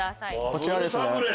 こちらですね。